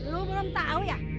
lo belum tau ya